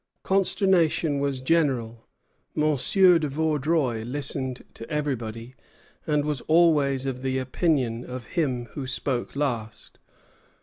Consternation was general. M. de Vaudreuil listened to everybody, and was always of the opinion of him who spoke last.